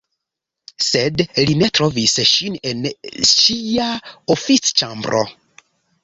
Sed li ne trovis ŝin en ŝia oficĉambro.